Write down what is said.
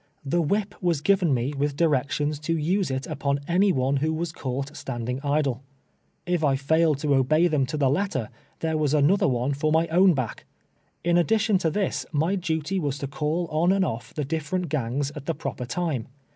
Tlie whip was given me with directions to use it upon any one who Avas caught staTiding idle. If I failed to obey them •to the letter, there was another one for my own back. In addition to this my duty was to call on and off the diflerent gangs at the proper time.